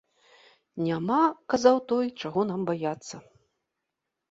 Няма, казаў той, чаго нам баяцца.